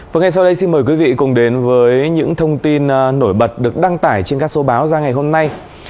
và ngay sau đây xin mời quý vị cùng đến với những thông tin nổi bật được đăng tải trên các số báo ra ngày hôm nay